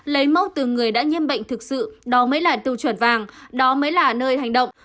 lấy mẫu từ người đã nhiễm bệnh thực sự đó mới là tiêu chuẩn vàng đó mới là nơi hành động